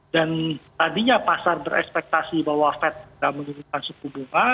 dan tadinya pasar berekspektasi bahwa fed tidak menimbulkan suku bunga